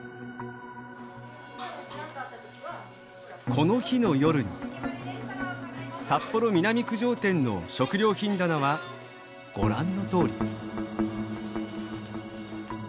この日の夜に札幌南９条店の食料品棚はご覧のとおり。